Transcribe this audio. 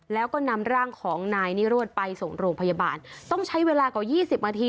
แล้วก็นำร่างของนายนิรวดไปส่งโรงพยาบาลต้องใช้เวลากว่า๒๐นาที